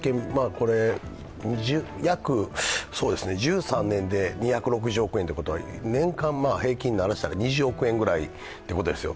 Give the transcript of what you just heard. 約１３年で２６０億円ということは年間平均にならしたら２０億円ぐらいということですよ。